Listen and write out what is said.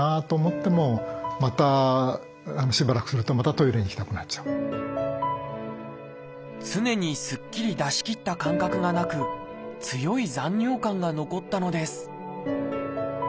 トイレに行っても常にすっきり出しきった感覚がなく強い残尿感が残ったのです。